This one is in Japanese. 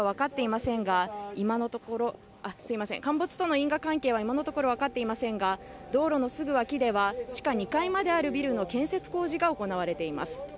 陥没との因果関係は今のところ分かっていませんが道路のすぐ脇では地下２階まであるビルの建設工事が行われています。